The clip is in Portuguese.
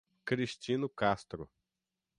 Cristino Castro